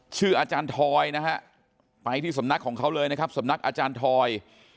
ชื่ออาจารย์ทอยนะฮะไปที่สำนักของเขาเลยนะครับสำนักอาจารย์ทอย